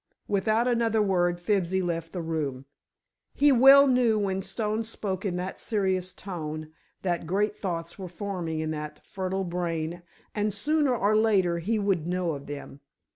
Without another word Fibsy left the room. He well knew when Stone spoke in that serious tone that great thoughts were forming in that fertile brain and sooner or later he would know of them.